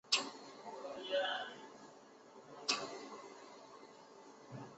每一卷又包括若干章和节。